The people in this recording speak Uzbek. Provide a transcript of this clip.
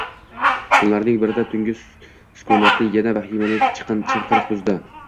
Kunlarning birida tungi sukunatni yana vahimali chinqiriq buzdi